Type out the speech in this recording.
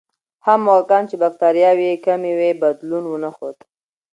هغه موږکان چې بکتریاوې یې کمې وې، بدلون ونه ښود.